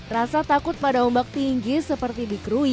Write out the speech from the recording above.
rasa takut pada ombak tinggi seperti di krui